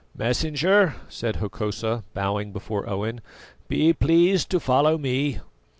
"Messenger," said Hokosa, bowing before Owen, "be pleased to follow me."